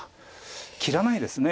切らないですね。